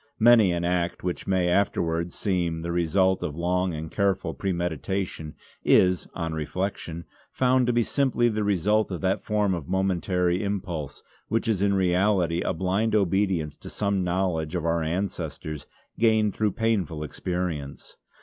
Many an act which may afterwards seem the result of long and careful premeditation is, on reflection, found to be simply the result of that form of momentary impulse which is in reality a blind obedience to some knowledge of our ancestors gained through painful experience.